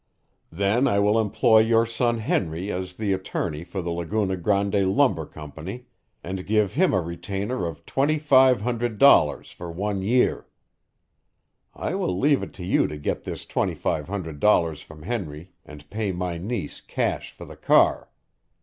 Then I will employ your son Henry as the attorney for the Laguna Grande Lumber Company and give him a retainer of twenty five hundred dollars for one year. I will leave it to you to get this twenty five hundred dollars from Henry and pay my niece cash for the car.